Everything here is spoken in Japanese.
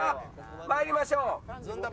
参りましょう。